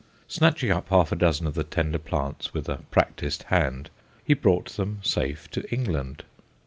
Snatching up half a dozen of the tender plants with a practised hand, he brought them safe to England.